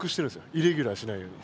イレギュラーしないように。